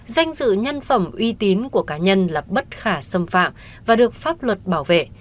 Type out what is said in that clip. danh dự nhân phẩm uy tín của cá nhân là bất khả xâm phạm và được pháp luật bảo vệ